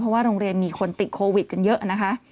เพราะว่าโรงเรียนมีคนติดโควิดกันเยอะนะคะ